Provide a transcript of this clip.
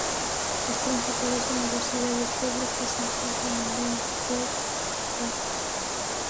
Las principales universidades públicas se encuentran en Grand Forks y Fargo.